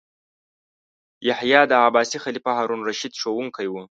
یحیی د عباسي خلیفه هارون الرشید ښوونکی و.